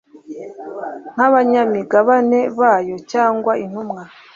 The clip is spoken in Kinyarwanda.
nk abanyamigabane bayo cyangwa intumwa